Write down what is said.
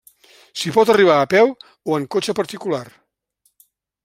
S'hi pot arribar a peu o en cotxe particular.